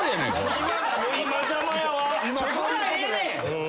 そこはええねん！